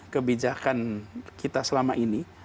kebijakan kita selama ini